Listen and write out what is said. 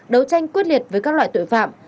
đấu tranh quyết liệt với các loại tội phạm